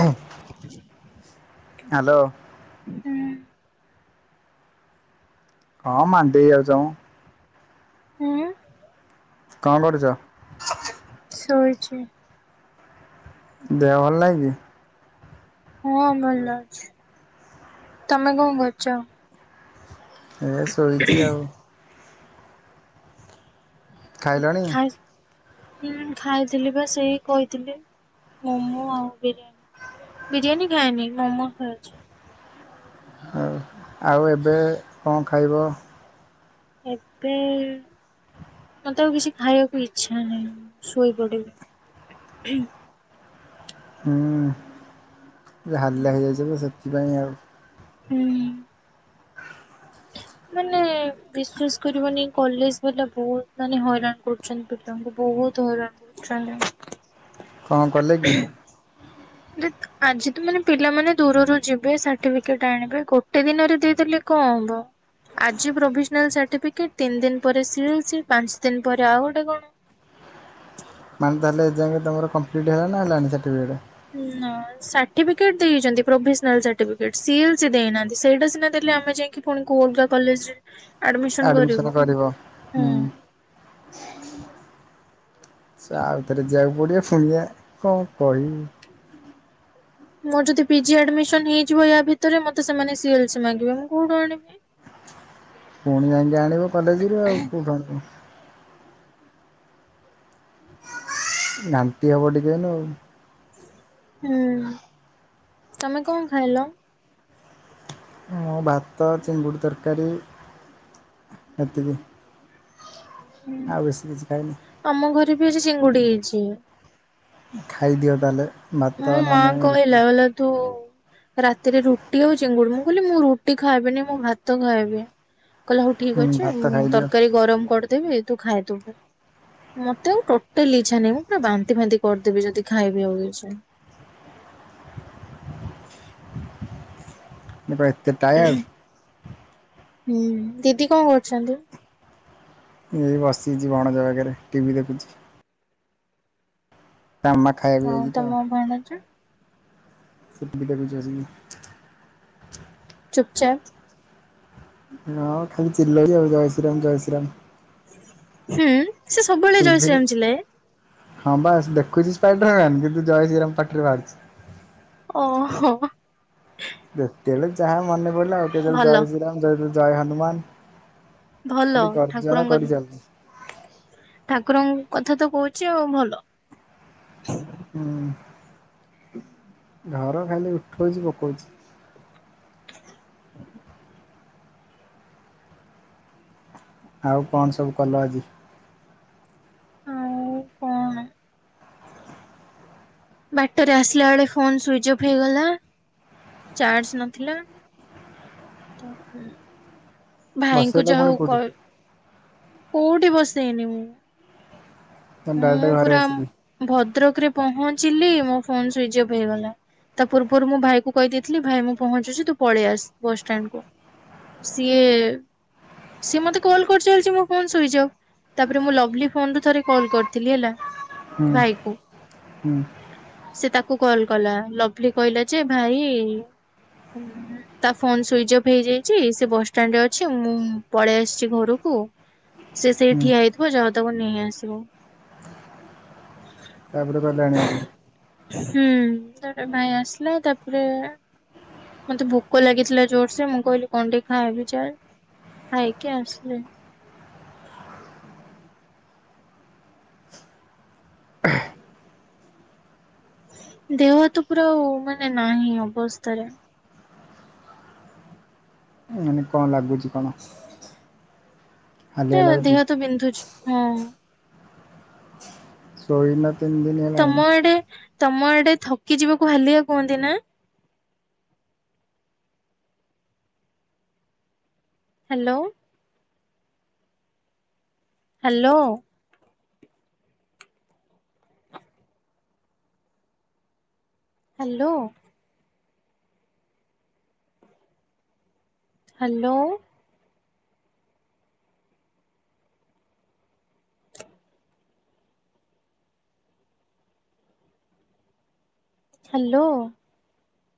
[inaudible] Hello ହୁଁ। ହଁ ମାଣ୍ଡିଆ ଯାଉଁ। ହୁଁ। କା କରଛ? ଶୋଇଛି। ଦେହ ଭଲ ନାଇଁ କି? ହଁ ଭଲ ଅଛି। ତମେ କଁ କରୁଛ? ଏ ଶୋଇଛି ଆଉ। ଉଁ ଖାଇଲଣି? ଖାଇସା ହୁଁ ଖାଇଥିଲି ବା ସେଇ କହିଥିଲି, ମୋମୋ ଆଉ ବିରିୟାନୀ। ବିରିୟାନୀ ଖାଏନି। ମୋମୋ ଖାଇ ଅଛି। ହଉ। ଆଉ ଏବେ କଁ ଖାଇବ? ଏବେ ମତେ ଆଉ କିଛି ଖାଇଆକୁ ଇଚ୍ଛା ନାହିଁ। ଶୋଇ ପଡ଼ିବି। ଉଁ ହାଲିଆ ହୋଇଯାଇଛ ତ ସେଥିପାଇଁ ଆଉ। ହୁଁ। ମାନେ ବିଶ୍ଵାସ କରିବନି କଲେଜ ବାଲା ବହୁତ ମାନେ ହଇରାଣ କରୁଛନ୍ତି ପି ତାଙ୍କୁ ବହୁତ ହଇରାଣ କରୁଛନ୍ତି। କଁ କଲେ କି? ଆଜି ତ ମାନେ ପିଲାମାନେ ଦୂରରୁ ଯିବେ ସାର୍ଟିଫିକେଟ ଆଣିବେ ଗୋଟେ ଦିନରେ ଦେଇଦେଲେ କଁ ହବ? ଆଜି ପ୍ରୋଭିସନାଲ ସାର୍ଟିଫିକେଟ ତିନି ଦିନ ପରେ ସି ଏଲ୍ ସି ପାଞ୍ଚ ଦିନ ପରେ ଆଉ ଗୋଟେ କଣ। ମାନେ ତାହେଲେ ଏ ଯାଁକେ ତମର କପ୍ଲିଟ୍ ହେଲାନା ହେଲାନି ସାର୍ଟିଫିକେଟ୍? ହୁଁ ନା। ସାର୍ଟିଫିକେଟ ଦେଇଛନ୍ତି provisional certificate. C L C ଦେଇନାହାନ୍ତି। ସେଇଟା ସିନା ଦେଲେ ଆମେ ଯାଇ କି ପୁଣି କୋଉ ଅଲଗା କଲେଜରେ ଆଡ଼ମିଶନ ଆଡ଼ମିସନ୍ କରିବୁ। କରିବ? ହୁଁ। ଯା ଆଉ ଥରେ ଯିଆକୁ ପଡ଼ିବ। ଫୁଣି ଯା କଁ କହିବୁ ମୋର ଯଦି ପିଜି ଆଡ଼ମିଶନ ହେଇଯିବ ୟା ଭିତରେ ମତେ ସେମାନେ ସିଏଲସି ମାଗିବେ ମୁଁ କୋଉଠୁ ଆଣିବି? ପୁଣି ଯାଇକି ଆଣିବ କଲେଜରୁ ଆଉ କେଉଁଠୁ ଆଣିବ। ନାଣ୍ଟି ହବ ଟିକେ ଏଇନୁ ଆଉ। ହୁଁ। ତମେ କଁ ଖାଇଲ? ମୁଁ ଭାତ ଚିଙ୍ଗୁଡ଼ି ତରକାରୀ ଏତିକି ଆଉ ବେଶୀ କିଛି ଖାଇନି। ଆମ ଘରେ ବି ଆଜି ଚିଙ୍ଗୁଡ଼ି ହେଇଛି। ଖାଇଦିଅ ତାଲେ। ମୋ ମା କହିଲା କଲା ତୁ ରାତିରେ ରୁଟି ଆଉ ଚିଙ୍ଗୁଡି ମୁଁ କହିଲି ମୁଁ ରୁଟି ଖାଇବିନି ମୁଁ ଭାତ ଖାଇବି। କହିଲା ହଉ ଠିକ୍ ହୁଁ ଅଛି ଭାତ ମୁଁ ଖାଇଦିଅ। ତର୍କାରୀ ଗରମ କରିଦେବି ତୁ ଖାଇଦବୁ। ମତେ ଆଉ ଟୋଟାଲି ଇଛା ନାଇଁ ପୁରା ବାନ୍ତି ଫାନ୍ତି କରିଦେବି ଯଦି ଖାଇବି ଆଉ କିଛି। କଁ ପାଇଁ ଏତେ ଟାୟାଡ୍? ହୁଁ ଦିଦି କଣ କରୁଚନ୍ତି? ଦିଦି ବସିଚି ଭଣଜା ପାଖରେ ଟିଭି ଦେଖୁଚି। ତା ମାକ୍ ଆଉ ତମ ଭଣଜା? [unintelligible] ଚାଲୁନ। ଚୁପ୍ ଚାପ୍ ହଁ ଖାଲି ଚିଲଉଚ ଜୟ ଶ୍ରୀରାମ ଜୟ ଶ୍ରୀ ରାମ। ହୁଁ ସେ ସବୁବେଳେ ଜୟଶ୍ରୀରାମ ଚିଲାଏ? ହଁବା ସେ ଦେଖୁଚି ସ୍ପାଇଡ୍ର ମ୍ୟାନ୍ କିନ୍ତୁ ଜୟ ଶ୍ରୀରାମ ପାଟିରୁ ବାହାରୁଚି। ଓହୋ। ଯେତେବେଳେ ଯାହା ମନେ ପଇଲା କକେତେବେଳେ ଭଲ ଜୟ ଶ୍ରୀରାମ ଜୟ ହନୁମାନ୍। ଭଲ ଖାଲି ଗର୍ଜନ ଠାକୁରଙ୍କ କରି ଚାଲୁଚି। ଠାକୁରଙ୍କ କଥା ତ କହୁଚି ଆଉ ଭଲ। ହୁଁ ଘର ଖାଲି ଉଠଉଚି ପକଉଚି। ଆଉ କଣ ସବୁ କଲ ଆଜି? ଆଉ କଣ? ବାଟେରେ ଆସିଲା ବେଳେ ଫୋନ୍ ସୁଇଚ୍ ଅଫ୍ ହେଇଗଲା ଚାର୍ଜ ନଥିଲା। ତାପ ଭାଇଙ୍କୁ ବସେଇଲ ଯା ପୁଣି ହଉ କ କୋଉଠି କୋଉଠି ବସେଇନି ମୁଁ। ନା ଡାଇରେକ୍ଟ ମୁଁ ଘରେ ପୁରା ଆସିକି? ଭଦ୍ରକ ରେ ପହଞ୍ଚିଲି ମୋ ଫୋନ୍ ସୁଇଚ୍ ଅଫ୍ ହେଇଗଲା। ତା ପୂର୍ବରୁ ମୁଁ ଭାଇକୁ କହିଦେଇଥିଲି ଭାଇ ମୁଁ ପହଞ୍ଚୁଚି ତୁ ପଳେଇ ଆସ୍ ବସ୍ ଷ୍ଟାଣ୍ଡ୍ କୁ। ସିଏ ସିଏ ମତେ କଲ୍ କରି ଚାଲିଚି ମୋ ଫୋନ୍ ଶୁଇଚ୍ ଅଫ୍ ତାପରେ ମୁଁ ଲଭ୍ଲି ଫୋନ୍ ରୁ ଥରେ ଫୋନ୍ କରିଥିଲି ହେଲା ହୁଁ ଭାଇ କୁ। ହୁଁ ସେ ତାକୁ କଲ୍ କଲା ଲଭ୍ଲି କହିଲା ଯେ ଭାଇ ତା ଫୋନ୍ ସୁଇଚ୍ ଅଫ୍ ହେଇଯାଇଚି ସିଏ ବସ୍ ଷ୍ଟାଣ୍ଡ ରେ ଅଛି ମୁଁ ପଳେଇ ଆସିଚି ଘରକୁ। ସିଏ ସେଇଠି ହୁଁ ଠିଆ ହେଇଥିବ ଯାଅ ତାକୁ ନେଇ ଆସିବ। ତାପରେ ଗଲେ ଆଣିଆକୁ? ହୁଁ ତାରେ ଭାଇ ଆସିଲା ତାପରେ ମତେ ଭୋକ ଲାଗିଥିଲା ଜୋର୍ ସେ ମୁଁ କଇଲି କଣ ଟିକେ ଖାଇବି ଚାଲ୍ ଖାଇକି ଆସିଲି। ଦେହହାତ ପୁରା ମାନେ ନାହିଁ ଅବସ୍ଥାରେ। ମାନେ କଣ ଲାଗୁଚି କଣ? ହାଲିଆ ଏତେ ଲାଗୁଛି ଦେହ ହାତ ବିନ୍ଧୁଚି ହଁ। ଶୋଇନ ତିନି ଦିନି। ତମ ଆଡେ ତମ ଆଡେ ଥକି ଯିବାକୁ ହାଲିଆ କୁହନ୍ତି ନା? Hello. Hello. Hello. Hello. Hello.